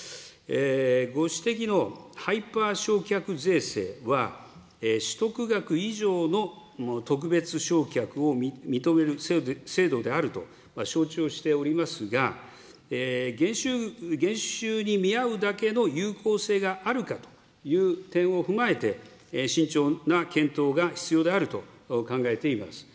ご指摘のハイパー焼却税制は、取得額以上の特別償却を認める制度であると承知をしておりますが、減収に見合うだけの有効性があるかという点を踏まえて、慎重な検討が必要であると考えています。